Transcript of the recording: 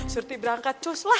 serti berangkat cus lah